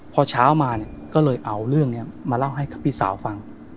พอเช้ามาเนี่ยก็เลยเอาเรื่องนี้มาเล่าให้กับพี่สาวฟัง